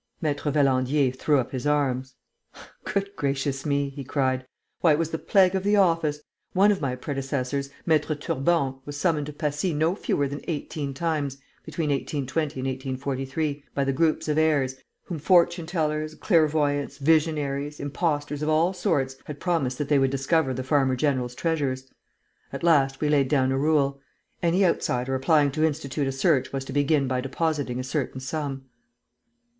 Maître Valandier threw up his arms: "Goodness gracious me!" he cried. "Why, it was the plague of the office! One of my predecessors, Maître Turbon, was summoned to Passy no fewer than eighteen times, between 1820 and 1843, by the groups of heirs, whom fortune tellers, clairvoyants, visionaries, impostors of all sorts had promised that they would discover the farmer general's treasures. At last, we laid down a rule: any outsider applying to institute a search was to begin by depositing a certain sum."